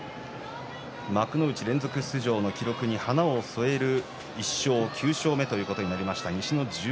幕内連続出場の記録に華を添える勝ちとなりました。